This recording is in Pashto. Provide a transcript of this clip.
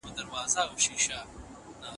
حق ویل یوازې ادبي بوختیا نه ده.